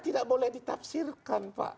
tidak boleh ditafsirkan